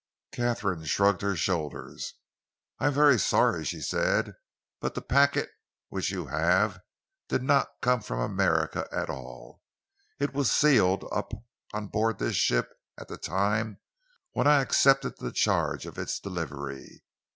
Katharine shrugged her shoulders. "I am very sorry," she said, "but the packet which you have did not come from America at all. It was sealed up on board this ship at the time when I accepted the charge of its delivery.